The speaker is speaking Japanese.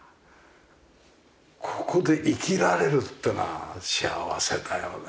ここで生きられるってのは幸せだよね。